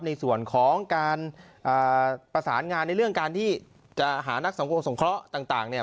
ในส่วนของการประสานงานในเรื่องการที่จะหานักสังคมสงเคราะห์ต่างเนี่ย